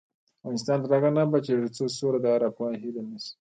افغانستان تر هغو نه ابادیږي، ترڅو سوله د هر افغان هیله نشي.